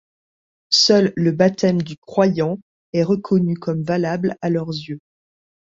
Seul le baptême du croyant est reconnu comme valable à leurs yeux.